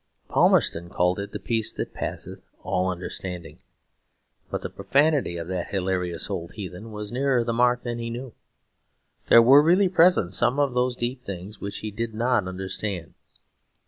Palmerston called it "the peace that passeth all understanding": but the profanity of that hilarious old heathen was nearer the mark than he knew: there were really present some of those deep things which he did not understand.